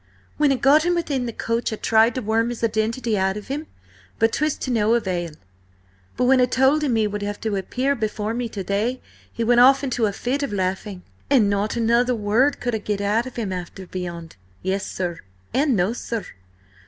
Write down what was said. When I got him within the coach I tried to worm his identity out of him, but 'twas to no avail. But when I told him he would have to appear before me to day, he went off into a fit of laughing, till I wondered what he was at, at all. And not another word could I get out of him after beyond 'Yes, sir,' and 'No, sir.'